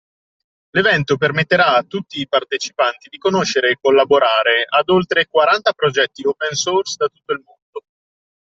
L’evento permetterà a tutti partecipanti di conoscere e collaborare ad oltre quaranta progetti opensource da tutto il mondo